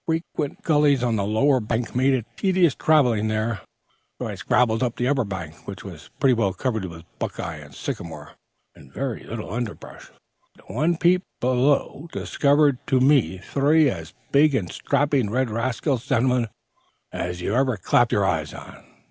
The frequent gullies on the lower bank made it tedious traveling there, so I scrabbled up to the upper bank, which was pretty well covered with buckeye and sycamore, and very little underbrush. One peep below discovered to me three as big and strapping red rascals, gentlemen, as you ever clapped your eyes on!